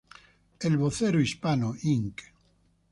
El Vocero Hispano, Inc.